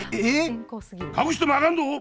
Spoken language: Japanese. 隠してもあかんぞ。